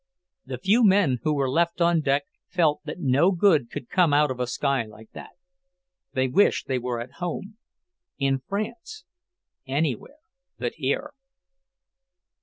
The few men who were left on deck felt that no good could come out of a sky like that. They wished they were at home, in France, anywhere but here.